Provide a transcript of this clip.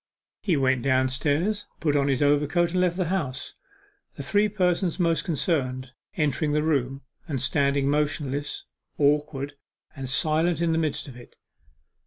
He went downstairs, put on his overcoat, and left the house, the three persons most concerned entering the room, and standing motionless, awkward, and silent in the midst of it.